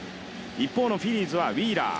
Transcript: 一方のフィリーズはウィーラー。